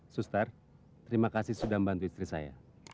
suster terima kasih sudah membantu istri saya